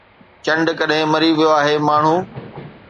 چنڊ ڪڏهن مري ويو آهي، ماڻهو؟